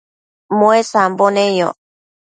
muesambo neyoc